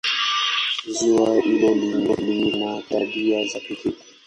Ziwa hilo lina tabia za pekee.